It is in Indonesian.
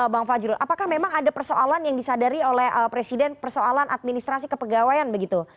bang fajrul apakah memang ada persoalan yang disadari oleh presiden persoalan administrasi kepegawaian begitu